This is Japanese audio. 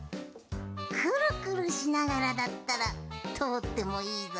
くるくるしながらだったらとおってもいいぞ。